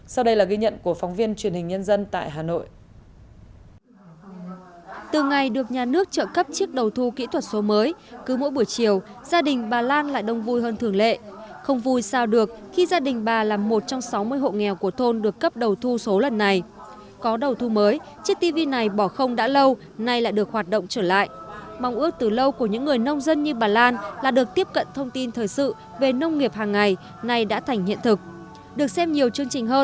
sau đây là ghi nhận của phóng viên truyền hình nhân dân tại hà nội